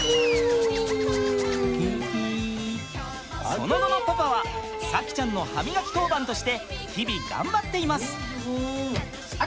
その後のパパは咲希ちゃんの歯みがき当番として日々がんばっています！